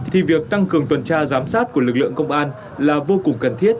thì việc tăng cường tuần tra giám sát của lực lượng công an là vô cùng cần thiết